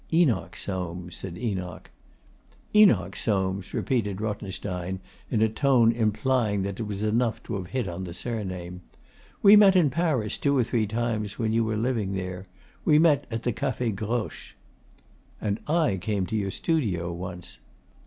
'Enoch Soames,' said Enoch. 'Enoch Soames,' repeated Rothenstein in a tone implying that it was enough to have hit on the surname. 'We met in Paris two or three times when you were living there. We met at the Cafe Groche.' 'And I came to your studio once.